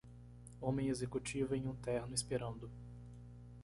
Homem executivo em um terno esperando.